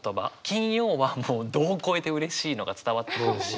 金曜はもう度を超えてうれしいのが伝わってくるし。